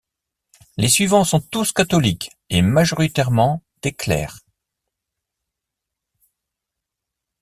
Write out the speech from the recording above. Les suivants sont tous catholiques et majoritairement des clercs.